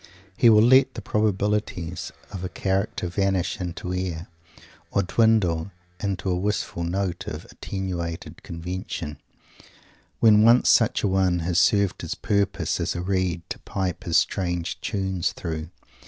He will let the probabilities of a character vanish into air, or dwindle into a wistful note of attenuated convention, when once such a one has served his purpose as a reed to pipe his strange tunes through.